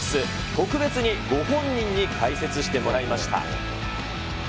特別にご本人に解説してもらいました。